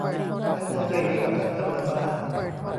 และเธอใจดีกับฉันเสมอมา